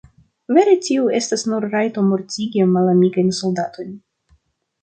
Vere tiu estas nur rajto mortigi malamikajn soldatojn.